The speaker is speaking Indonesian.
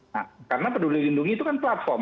nah karena peduli lindungi itu kan platform